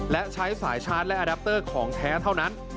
และใช้สายชาร์จและอาดัปเตอร์ของแท้เท่านั้น